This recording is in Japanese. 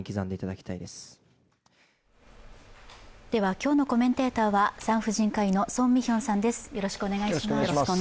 今日のコメンテーターは産婦人科医の宋美玄さんです。